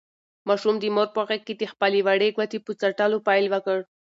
ماشوم د مور په غېږ کې د خپلې وړې ګوتې په څټلو پیل وکړ.